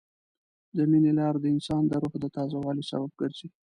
د مینې لار د انسان د روح د تازه والي سبب ګرځي.